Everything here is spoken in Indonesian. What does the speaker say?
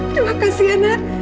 terima kasih anak